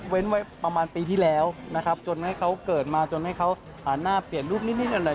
ไว้ประมาณปีที่แล้วนะครับจนให้เขาเกิดมาจนให้เขาหันหน้าเปลี่ยนรูปนิดหน่อย